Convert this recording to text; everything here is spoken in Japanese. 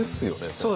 先生。